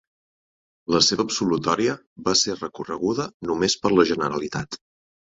La seva absolutòria va ser recorreguda només per la Generalitat.